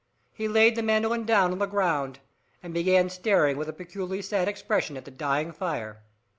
He laid the mandolin down on the ground, and began staring with a peculiarly sad expression at the dying fire.